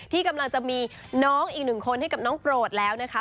ที่กำลังจะมีน้องอีกหนึ่งคนให้กับน้องโปรดแล้วนะคะ